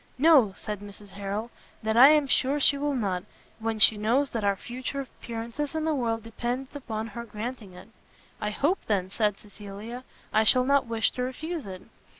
"No," said Mrs Harrel, "that I am sure she will not, when she knows that our future appearance in the world depends upon her granting it." "I hope, then," said Cecilia, "I shall not wish to refuse it."